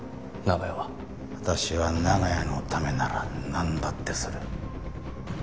私は長屋のためならなんだってする。